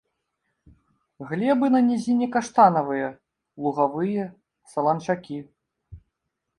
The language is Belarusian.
Глебы на нізіне каштанавыя, лугавыя, саланчакі.